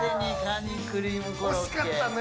惜しかったね。